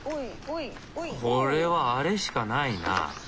これはあれしかないな。